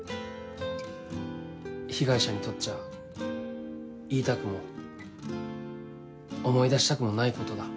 被害者にとっちゃ言いたくも思い出したくもないことだ。